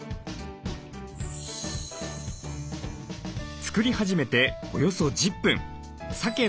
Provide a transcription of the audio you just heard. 作り始めておよそ１０分。